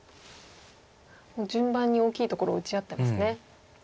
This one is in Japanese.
もう順番に大きいところを打ち合ってますね。